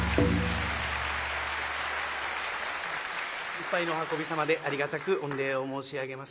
いっぱいのお運びさまでありがたく御礼を申し上げます。